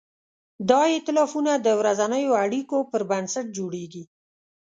دا ایتلافونه د ورځنیو اړیکو پر بنسټ جوړېږي.